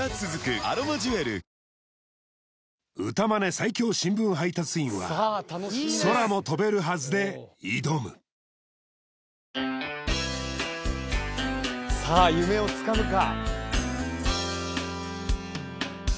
最強新聞配達員は「空も飛べるはず」で挑むさあ夢をつかむか？